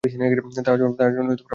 তাহার জন্য পাত্র স্থির হইয়াছে।